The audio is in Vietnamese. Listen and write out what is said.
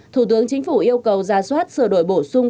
thủ tướng chính phủ yêu cầu ra soát sửa đổi bổ sung